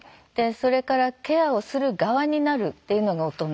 それからケアをする側になるっていうのが大人。